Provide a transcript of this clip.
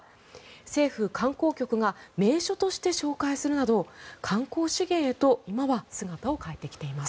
政府観光局が名所として紹介するなど観光資源へと今は姿を変えてきています。